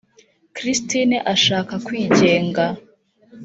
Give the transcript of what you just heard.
Christine ashaka kwigenga